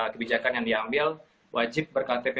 kebijakan yang diambil wajib berktp